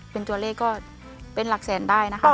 เป็นตัวเลขก็เป็นหลักแสนได้นะคะ